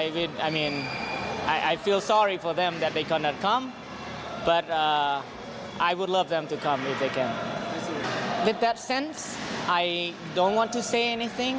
อย่างนี้เรามีธุรกิจภาพ